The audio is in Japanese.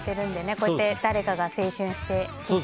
こういって誰かが青春して聴いている。